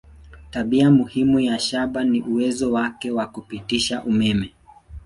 Tabia muhimu ya shaba ni uwezo wake wa kupitisha umeme.